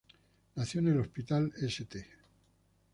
Nació en el hospital St.